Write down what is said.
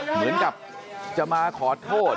เหมือนกับจะมาขอโทษ